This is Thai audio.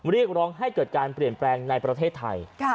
เรียกร้องให้เกิดการเปลี่ยนแปลงในประเทศไทย